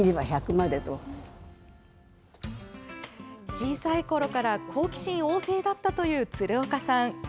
小さいころから好奇心旺盛だったという鶴岡さん。